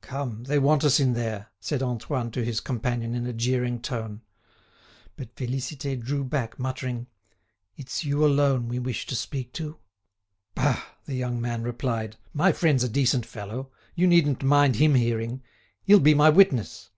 "Come, they want us in there," said Antoine to his companion in a jeering tone. But Félicité drew back, muttering: "It's you alone we wish to speak to." "Bah!" the young man replied, "my friend's a decent fellow. You needn't mind him hearing. He'll be my witness."